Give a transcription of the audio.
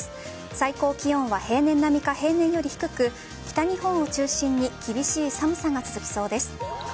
最高気温は平年並みか平年より低く北日本を中心に厳しい寒さが続きそうです。